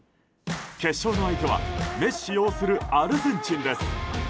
決勝の相手はメッシ擁するアルゼンチンです。